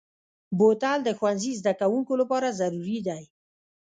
بوتل د ښوونځي زدهکوونکو لپاره ضروري دی.